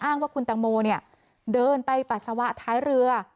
ว่าคุณตังโมเนี่ยเดินไปปัสสาวะท้ายเรือ